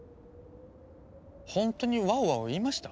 ほんとに「ワオワオ」言いました？